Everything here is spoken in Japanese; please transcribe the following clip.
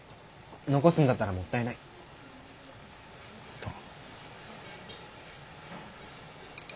残すんだったらもったいないと。